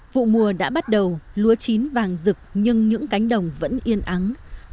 vụ mùa đã bắt đầu lúa chín vàng rực nhưng những cánh đồng vẫn yên ắng